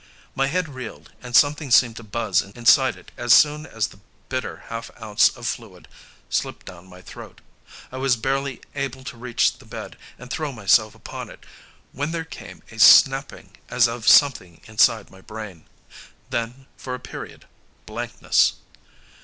My head reeled, and something seemed to buzz inside it as soon as the bitter half ounce of fluid slipped down my throat. I was barely able to reach the bed and throw myself upon it when there came a snapping as of something inside my brain ... then, for a period, blankness